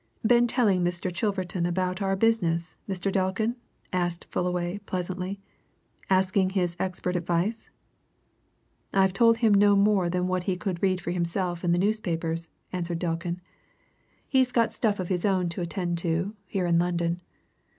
"Been telling Mr. Chilverton about our business, Mr. Delkin?" asked Fullaway pleasantly. "Asking his expert advice?" "I've told him no more than what he could read for himself in the newspapers," answered Delkin. "He's got stuff of his own to attend to, here in London.